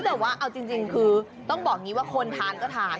แต่ว่าเอาจริงคือต้องบอกอย่างนี้ว่าคนทานก็ทาน